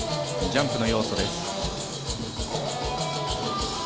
ジャンプの要素です。